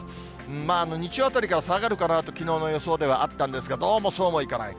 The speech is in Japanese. まあ、日曜あたりから下がるかなときのうの予想ではあったんですが、どうもそうもいかない。